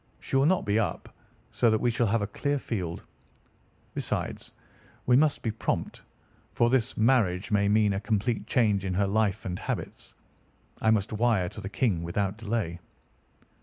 She will not be up, so that we shall have a clear field. Besides, we must be prompt, for this marriage may mean a complete change in her life and habits. I must wire to the King without delay."